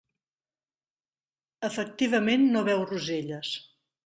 Efectivament no veu roselles.